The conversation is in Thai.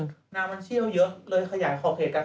น้ำมันเชี่ยวเยอะเลยขยายขอเขตกับคุณหนุ่มพ่อปล่อยน้ำมัน